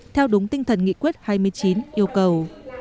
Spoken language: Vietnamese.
theo đúng tinh thần nghị quyết hai mươi chín yêu cầu